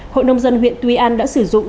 hội nông dân huyện tuy an đã sử dụng